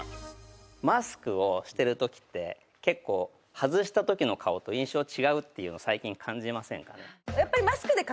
マスクをしてる時って結構外した時の顔と印象違うっていうの最近感じませんかね。